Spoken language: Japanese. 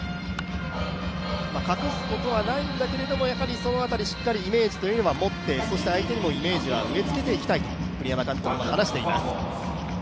隠すことはないんだけどもイメージというのはしっかりもってそして相手にもイメージは植え付けていきたいと栗山監督は話しています。